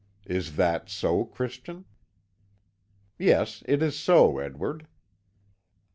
Is that so, Christian?" "Yes, it is so, Edward."